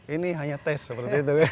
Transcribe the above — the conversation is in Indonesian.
ini hanya tes seperti itu